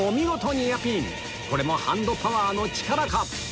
ニアピンこれもハンドパワーの力か？